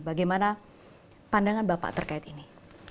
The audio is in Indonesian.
bagaimana pandangan bapak terkait ini